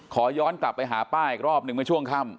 ขอย้อนกลับไปหาป้าอีกรอบหนึ่งเมื่อช่วงค่ำ